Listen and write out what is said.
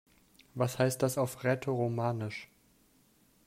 Was heißt das auf Rätoromanisch?